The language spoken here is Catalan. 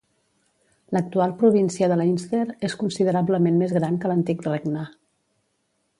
L'actual província de Leinster és considerablement més gran que l'antic regne.